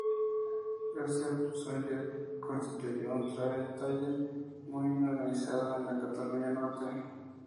Josep Sunyer constituyó un taller muy bien organizado en la Cataluña Norte.